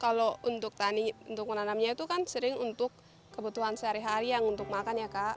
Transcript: kalau untuk menanamnya itu kan sering untuk kebutuhan sehari hari yang untuk makan ya kak